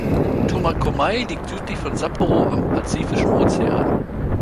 Tomakomai liegt südlich von Sapporo am Pazifischen Ozean.